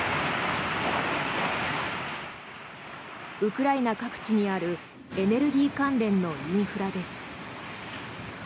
ウクライナ各地にあるエネルギー関連のインフラです。